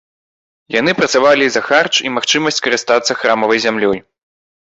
Яны працавалі за харч і магчымасць карыстацца храмавай зямлёй.